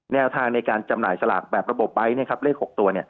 แนวทางในการจำหน่ายสลากแบบระบบไบท์เลข๖ตัว